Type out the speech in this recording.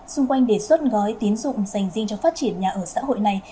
xung quanh đề xuất gói tín dụng dành riêng cho phát triển nhà ở xã hội này